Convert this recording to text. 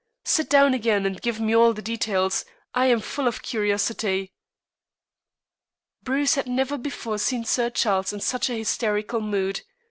Sit down again and give me all the details. I am full of curiosity." Bruce had never before seen Sir Charles in such a hysterical mood.